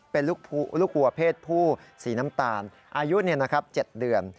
เป็นลูกวัวเพศผู้สีน้ำตาลอายุ๗เดือน